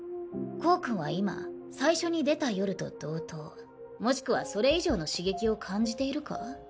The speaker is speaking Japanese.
コウ君は今最初に出た夜と同等もしくはそれ以上の刺激を感じているか？